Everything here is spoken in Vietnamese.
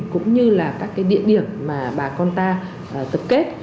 cũng như là các cái địa điểm mà bà con ta tập kết